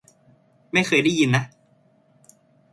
ไม่เคยได้ยินนะ